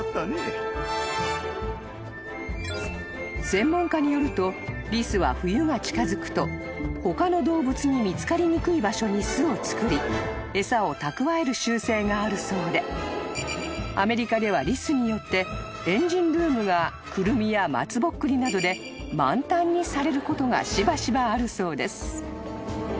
［専門家によるとリスは冬が近づくと他の動物に見つかりにくい場所に巣を作り餌を蓄える習性があるそうでアメリカではリスによってエンジンルームがクルミや松ぼっくりなどで満タンにされることがしばしばあるそうです］